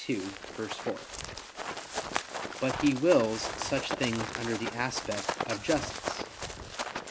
2:4); but He wills such things under the aspect of justice.